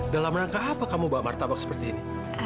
dalam rangka apa kamu bawa martabak seperti ini